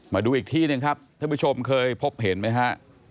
มาดูอีกที่หนึ่งครับท่านผู้ชมเคยพบเห็นไหมฮะ